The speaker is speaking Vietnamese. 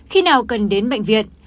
khi nào cần đến bệnh viện